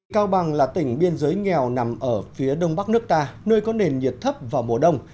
cao bằng là tỉnh biên giới nghèo nằm ở phía đông bắc nước ta nơi có nền nhiệt thấp vào mùa đông